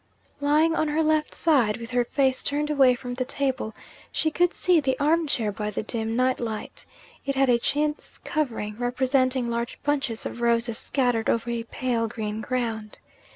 Lying on her left side, with her face turned away from the table, she could see the arm chair by the dim night light. It had a chintz covering representing large bunches of roses scattered over a pale green ground.